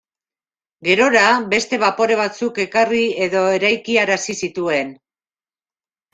Gerora, beste bapore batzuk ekarri edo eraikiarazi zituen.